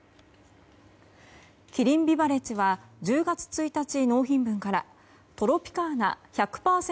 キリンビバレッジは１０月１日納品分からトロピカーナ１００％